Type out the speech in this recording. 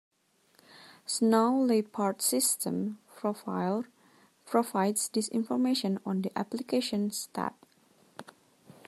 Snow Leopard's System Profiler provides this information on the "Applications" tab.